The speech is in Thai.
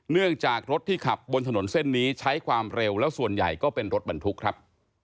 เนื่องจากรถที่ขับบนถนนเส้นนี้ใช้ความเร็วแล้วส่วนใหญ่ก็เป็นรถบรรทุกครับ